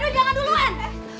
dadu jangan duluan